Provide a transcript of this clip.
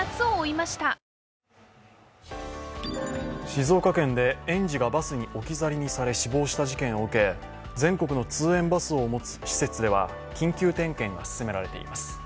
静岡県で園児がバスに置き去りにされ、死亡した事件を受け、全国の通園バスを持つ施設では緊急点検が進められています。